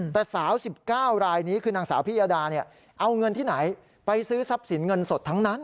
แต่สาว๑๙รายนี้คือนางสาวพิยดาเอาเงินที่ไหนไปซื้อทรัพย์สินเงินสดทั้งนั้น